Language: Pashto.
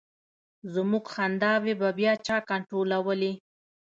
زمونږ خنداوې به بیا چا کنټرولولې.